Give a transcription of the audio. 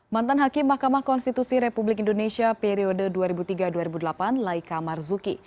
mantan hakim mahkamah konstitusi republik indonesia periode dua ribu tiga dua ribu delapan laika marzuki